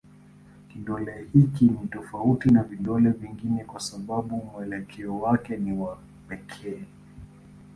Kidole hiki ni tofauti na vidole vingine kwa sababu mwelekeo wake ni wa pekee.